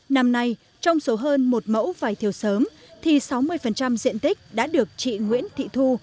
năm nay trong số hơn một mẫu vải thiều sớm thì sáu mươi diện tích đã được chị nguyễn thị thu